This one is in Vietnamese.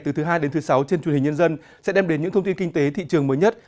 từ thứ hai đến thứ sáu trên truyền hình nhân dân sẽ đem đến những thông tin kinh tế thị trường mới nhất